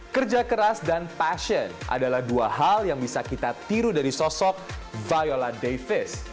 kerja keras dan passion adalah dua hal yang bisa kita tiru dari sosok viola davis